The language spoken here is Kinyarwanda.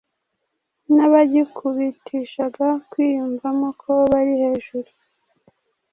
n'abagikubitishaga kwiyumvamo ko bari hejuru